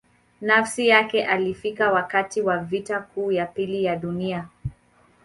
Nafasi yake alifika wakati wa Vita Kuu ya Pili ya Dunia.